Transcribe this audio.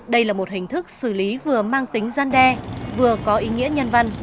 đây là một hình thức xử lý vừa mang tính gian đe vừa có ý nghĩa nhân văn